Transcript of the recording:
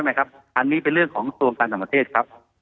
อ๋อไม่ครับอันนี้เป็นเรื่องของส่วนการสำเทศครับ